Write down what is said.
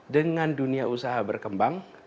dengan dunia usaha berkembang